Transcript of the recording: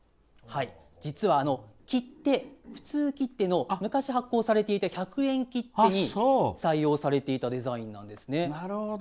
実は切手、普通切手の昔、発行されていた１００円切手に採用されていたデザインなんです。